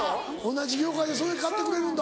同じ業界でそれ買ってくれるんだ。